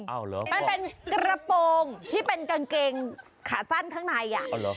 เหรอมันเป็นกระโปรงที่เป็นกางเกงขาสั้นข้างในอ่ะ